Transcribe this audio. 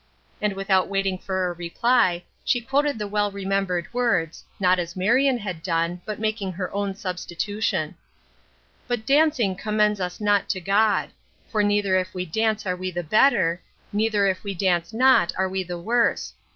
" And without waiting for a reply, she quoted the well remembered words, not as Marion had done, but making her own substitution :"' But dancing commends us not to God ; for neither if we dance are we the better, neither if we dance not are we the worse.